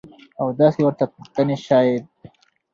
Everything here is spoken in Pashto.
او داسې ورته پوښتنې شايد.